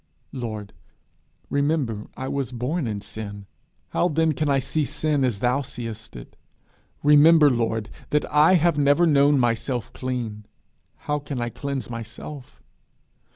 Lord, remember I was born in sin: how then can I see sin as thou seest it? Remember, Lord, that I have never known myself clean: how can I cleanse myself?